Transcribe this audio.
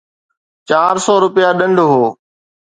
چار سؤ رپيا ڏنڊ هو.